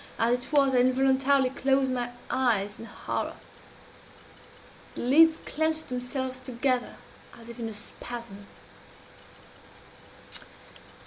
As it was, I involuntarily closed my eyes in horror. The lids clenched themselves together as if in a spasm.